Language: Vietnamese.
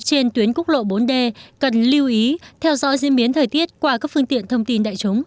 trên tuyến quốc lộ bốn d cần lưu ý theo dõi diễn biến thời tiết qua các phương tiện thông tin đại chúng